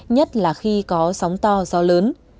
nhất là khi có sóng to gió lớn